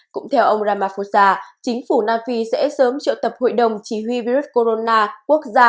cũng theo ông ramaphosa chính phủ nam phi sẽ sớm triệu tập hội đồng chỉ huy virus corona quốc gia